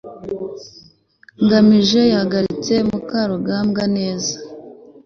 ngamije yahagaritse mukarugambwa neza